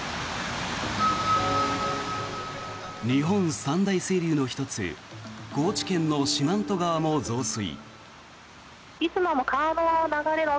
日本三大清流の１つ高知県の四万十川も増水。